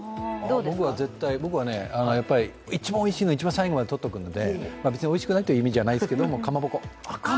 僕は絶対、やっぱり一番おいしいのを一番最後にとっておくんで別においしくないという意味じゃないですけどかまぼこ。